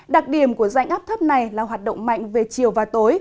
đặc điểm của dạnh áp thấp này là hoạt động mạnh về chiều và tối